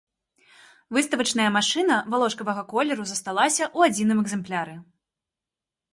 Выставачная машына валошкавага колеру засталася ў адзіным экземпляры.